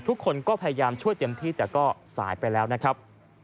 ทุกคนก็พยายามช่วยเต็มที่แต่ก็สายไปแล้วนะครับ